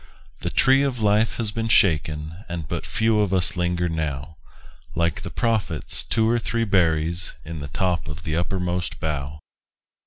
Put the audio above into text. The tree of life has been shaken, And but few of us linger now, Like the Prophet's two or three berries In the top of the uppermost bough.